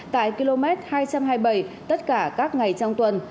tại km hai trăm hai mươi bảy tất cả các ngày trong tuần